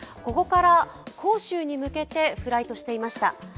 ここから広州に向けてフライトしていました。